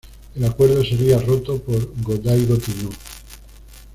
El Acuerdo sería roto por Go-Daigo Tennō.